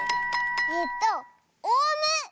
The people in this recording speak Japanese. えっとオウム！